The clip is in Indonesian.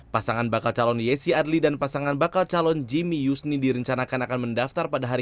pasangan bakal calon yesi adli dan pasangan bakal calon selika aeb menjadi pasangan pertama yang mendaftarkan diri